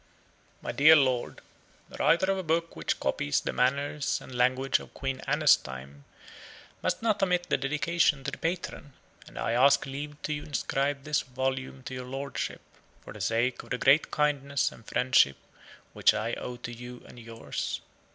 MY DEAR LORD, The writer of a book which copies the manners and language of Queen Anne's time, must not omit the Dedication to the Patron; and I ask leave to inscribe this volume to your Lordship, for the sake of the great kindness and friendship which I owe to you and yours.